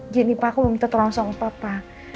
gini pak aku mau minta tolong sama papa